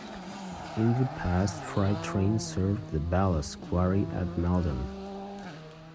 In the past freight trains served the ballast quarry at Meldon.